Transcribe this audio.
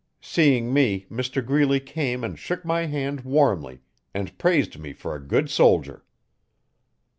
Seeing me, Mr Greeley came and shook my hand warmly and praised me fer a good soldier.